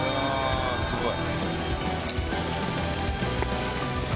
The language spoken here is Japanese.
すごい！